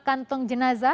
sudah terisi semua pak